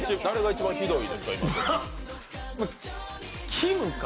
きむか？